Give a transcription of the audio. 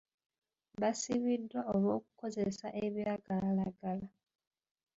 Baasibiddwa olw'okukozesa ebiragalalagala.